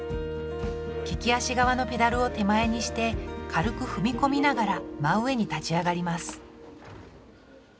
利き足側のペダルを手前にして軽く踏み込みながら真上に立ち上がります